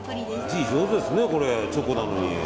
字上手ですね、チョコなのに。